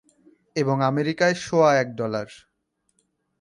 এবং আমেরিকায় সোয়া এক ডলার।